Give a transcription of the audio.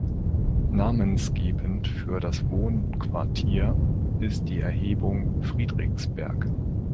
Namensgebend für das Wohnquartier ist die Erhebung Friedrichsberg.